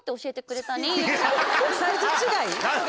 サイズ違い？